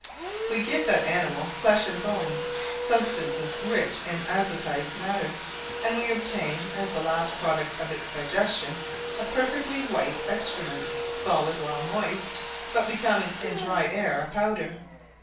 We give that animal flesh and bones substances rich in azotised matter and we obtain, as the last product of its digestion, a perfectly white excrement, solid while moist, but becoming in dry air a powder.